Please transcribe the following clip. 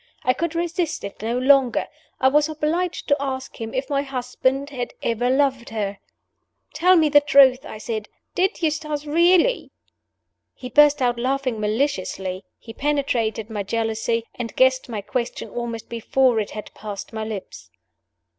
I could resist it no longer I was obliged to ask him if my husband had ever loved her. "Tell me the truth," I said. "Did Eustace really ?" He burst out laughing maliciously, he penetrated my jealousy, and guessed my question almost before it had passed my lips.